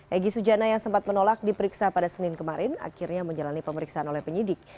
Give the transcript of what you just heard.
egy sujana yang sempat menolak diperiksa pada senin kemarin akhirnya menjalani pemeriksaan oleh penyidik